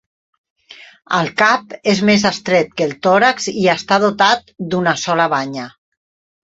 El cap és més estret que el tòrax i està dotat d'una sola banya.